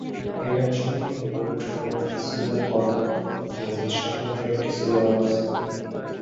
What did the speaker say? এ রাত সম্পর্কে পবিত্র কোরআনে সূরা কদর নামে স্বতন্ত্র একটি সূরাও আছে।